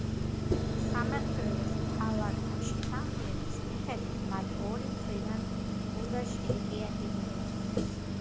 სამეგრელოს მთავართან შეთანხმების მიხედვით მათ ორი მხრიდან უნდა შეეტიათ იმერეთისათვის.